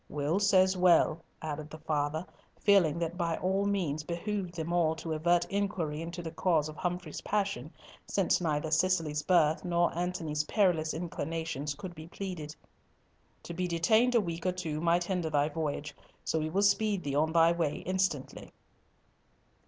"Will says well," added the father, feeling that it by all means behoved them all to avert inquiry into the cause of Humfrey's passion, since neither Cicely's birth nor Antony's perilous inclinations could be pleaded. "To be detained a week or two might hinder thy voyage. So we will speed thee on thy way instantly."